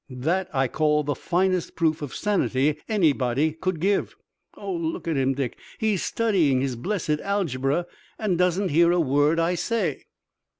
That I call the finest proof of sanity anybody could give. Oh, look at him, Dick! He's studying his blessed algebra and doesn't hear a word I say!"